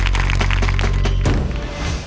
ขอบคุณครับ